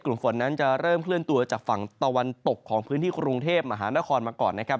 กลุ่มฝนนั้นจะเริ่มเคลื่อนตัวจากฝั่งตะวันตกของพื้นที่กรุงเทพมหานครมาก่อนนะครับ